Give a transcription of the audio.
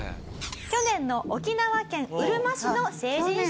去年の沖縄県うるま市の成人式。